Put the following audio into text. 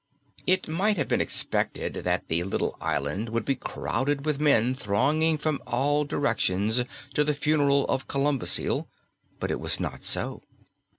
It might have been expected that the little island would be crowded with men thronging from all directions to the funeral of Columbcille, but it was not so.